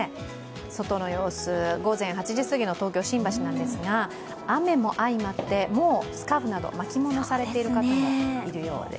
外の様子、午前８時過ぎの東京・新橋なんですが、雨もあいまってもうスカーフなど巻き物をされている方もいるようです。